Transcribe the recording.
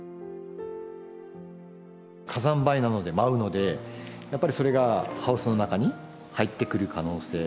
火山灰なので舞うのでやっぱりそれがハウスの中に入ってくる可能性。